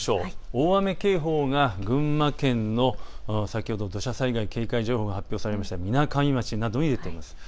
大雨警報が群馬県、土砂災害警戒情報が発表されたみなかみ町などに出ています。